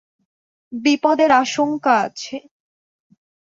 বিপদের আশঙ্কা আছে।